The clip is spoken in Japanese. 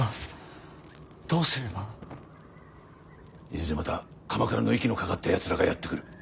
いずれまた鎌倉の息のかかったやつらがやって来る。